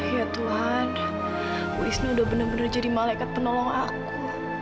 ya tuhan bu isna udah bener bener jadi malaikat penolong aku